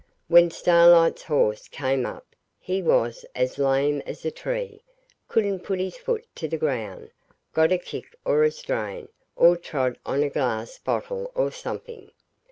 When Starlight's horse came up he was as lame as a tree, couldn't put his foot to the ground; got a kick or a strain, or trod on a glass bottle or something.